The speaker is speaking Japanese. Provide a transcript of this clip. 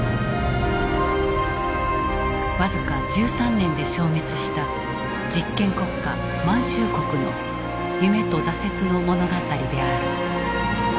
僅か１３年で消滅した実験国家「満州国」の夢と挫折の物語である。